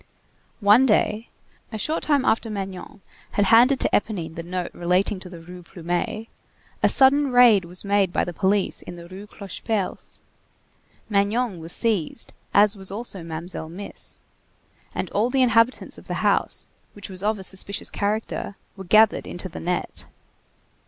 One day, a short time after Magnon had handed to Éponine the note relating to the Rue Plumet, a sudden raid was made by the police in the Rue Clocheperce; Magnon was seized, as was also Mamselle Miss; and all the inhabitants of the house, which was of a suspicious character, were gathered into the net.